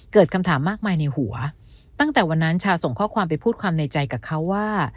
เกิดคำถามมากมายในหัวตั้งแต่วันนั้นชาส่งข้อความไปพูดความในใจกับเขาว่า